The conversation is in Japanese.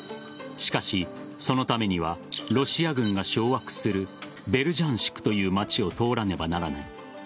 しかし、そのためにはロシア軍が掌握するベルジャンシクという街を通らなければならない。